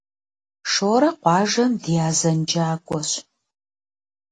Шорэ къуажэм ди азэнджакӏуэщ.